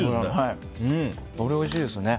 おいしいですね。